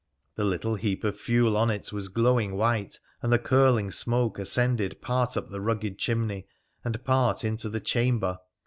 The little heap of fuel on it was glowing white, and the curling smoke ascended part up the rugged chimney and part into the chamber.